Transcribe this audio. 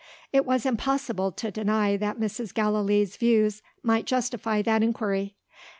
It was impossible to deny that Mrs. Gallilee's views might justify that inquiry.